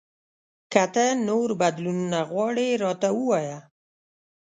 که ته نور بدلونونه غواړې، راته ووایه !